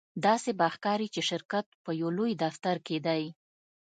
داسې به ښکاري چې شرکت په یو لوی دفتر کې دی